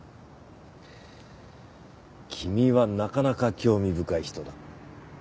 君はなかなか興味深い人だ。